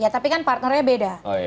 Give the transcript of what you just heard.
tapi kan partnernya beda